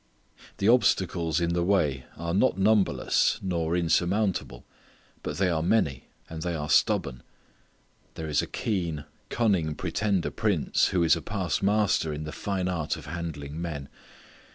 The obstacles in the way are not numberless nor insurmountable, but they are many and they are stubborn. There is a keen, cunning pretender prince who is a past master in the fine art of handling men.